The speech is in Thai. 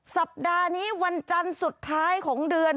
สัปดาห์นี้วันจันทร์สุดท้ายของเดือน